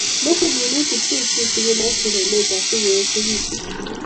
Mochei minutik Bek tutugin ak telelet asikoechikitu